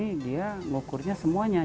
di sini dia mengukurnya semuanya